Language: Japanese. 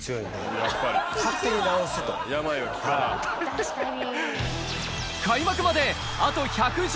確かに。